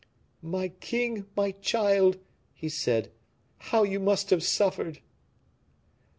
"My king, my child," he said, "how you must have suffered!"